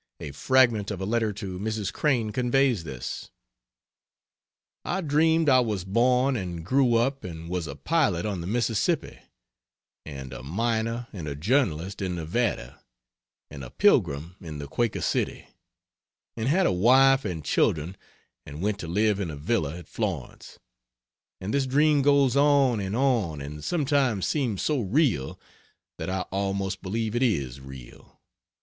A fragment of a letter to Mrs. Crane conveys this: "I dreamed I was born and grew up and was a pilot on the Mississippi and a miner and a journalist in Nevada and a pilgrim in the Quaker City, and had a wife and children and went to live in a villa at Florence and this dream goes on and on and sometimes seems so real that I almost believe it is real.